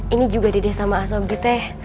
ini juga dedek sama asobiteh